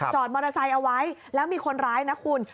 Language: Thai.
มอเตอร์ไซค์เอาไว้แล้วมีคนร้ายนะคุณ